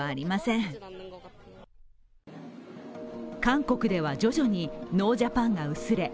韓国では徐々にノージャパンが薄れ